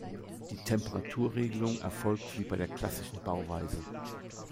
Die Temperaturregelung erfolgt wie bei der klassischen Bauweise.